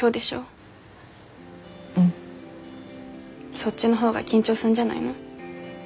そっちの方が緊張すんじゃないの？